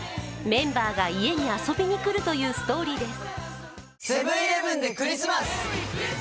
メンバーが家に遊びにくるというストーリーです。